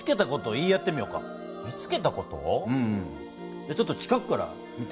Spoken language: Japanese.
じゃちょっと近くから見て。